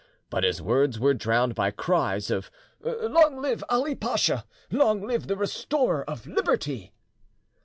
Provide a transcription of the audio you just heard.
But his words were drowned by cries of "Long live Ali Pasha! Long live the restorer of liberty!"